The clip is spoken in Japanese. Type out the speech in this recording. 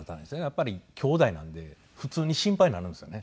やっぱり兄弟なので普通に心配になるんですよね。